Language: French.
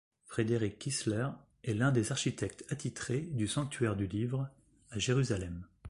Frederick Kiesler est l'un des architectes attitré du Sanctuaire du Livre, à Jérusalem.